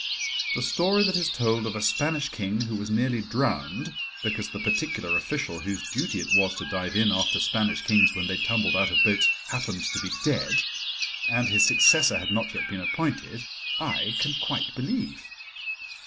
The story that is told of a Spanish king who was nearly drowned because the particular official whose duty it was to dive in after Spanish kings when they tumbled out of boats happened to be dead, and his successor had not yet been appointed, I can quite believe.